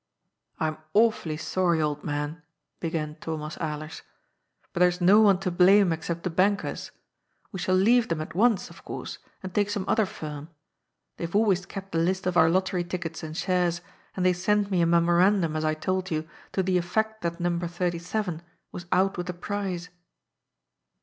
"I'm awfully sorry, old man," began Thomas Alers. "But there's no one to blame except the bankers. We shall leave them at once, of course, and take some other firm. They have always kept the list of our lottery tickets and shares, and they sent me a memorandum as I told you, to the effect that No. 37 was out with the prize."